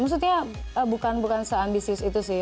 maksudnya bukan se ambisius itu sih